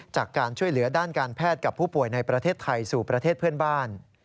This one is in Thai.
จากการช่วยเหลือด้านการแพทย์กับผู้ป่วยในประเทศไทยสู่ประเทศเพื่อนบ้าน